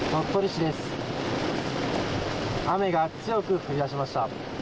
雨が強く降りだしました。